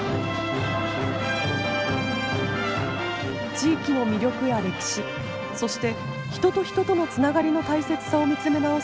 地域の魅力や歴史そして人と人とのつながりの大切さを見つめ直す